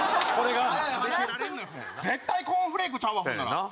絶対コーンフレークちゃうわほんなら。